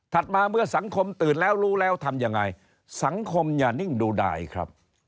มาเมื่อสังคมตื่นแล้วรู้แล้วทำยังไงสังคมอย่านิ่งดูดายครับ